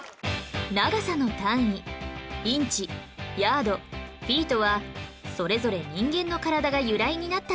長さの単位インチヤードフィートはそれぞれ人間の体が由来になった単位